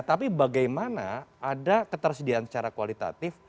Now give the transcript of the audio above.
tapi bagaimana ada ketersediaan secara kualitatif